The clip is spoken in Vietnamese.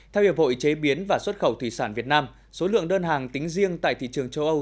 theo hiệp hội chế biến và xuất khẩu thủy sản việt nam số lượng đơn hàng tính riêng tại thị trường châu âu